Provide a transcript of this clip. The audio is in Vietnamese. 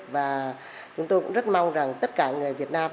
và chúng tôi cũng rất mong rằng tất cả người việt nam